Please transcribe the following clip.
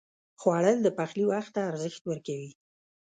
خوړل د پخلي وخت ته ارزښت ورکوي